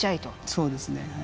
そうですねはい。